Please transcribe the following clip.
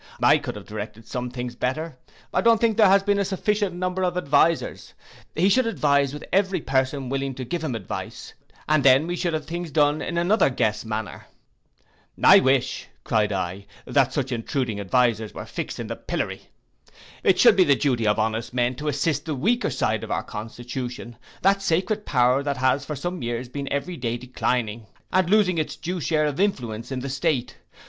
I could have directed some things better. I don't think there has been a sufficient number of advisers: he should advise with every person willing to give him advice, and then we should have things done in anotherguess manner.' 'I wish,' cried I, 'that such intruding advisers were fixed in the pillory. It should be the duty of honest men to assist the weaker side of our constitution, that sacred power that has for some years been every day declining, and losing its due share of influence in the state.